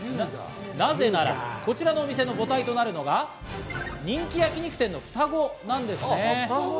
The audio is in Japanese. なぜならこちらの店の母体となるのが人気焼肉店のふたごなんですね。